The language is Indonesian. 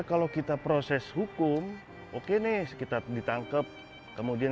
ketemu orang tua